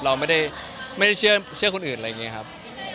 เราไม่ได้เชื่อคนอื่นอะไรอย่างนี้ครับ